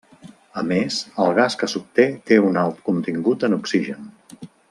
A més el gas que s'obté té un alt contingut en oxigen.